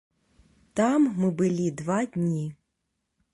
Там мы былі два дні.